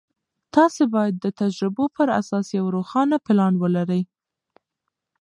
تاسې باید د تجربو پر اساس یو روښانه پلان ولرئ.